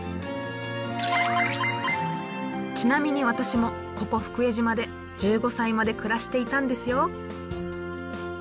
ちなみに私もここ福江島で１５歳まで暮らしていたんですよ。